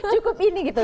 cukup ini gitu